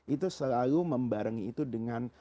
itu selalu membareng itu dengan